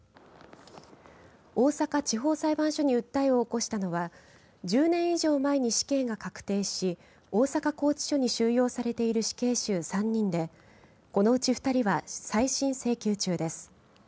大阪地方裁判所に訴えを起こしたのは１０年以上前に死刑が確定し大阪拘置所に収容されている死刑囚３人でこのうち２人は再審請求中です。